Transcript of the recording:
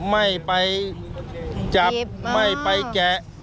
ไม่ไปจับไม่ไปแกะ